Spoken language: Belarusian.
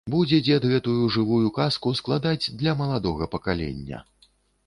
Будзе дзед гэтую жывую казку складаць для маладога пакалення.